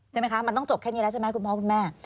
ใช่ไหมคะมันต้องจบแค่นี้แล้วใช่ไหมคุณพ่อคุณแม่